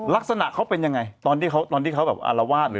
ลักษณะเขาเป็นยังไงตอนที่เขาอะละวาด